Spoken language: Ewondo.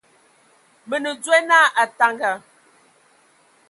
Mə nə dzwe na Ataŋga.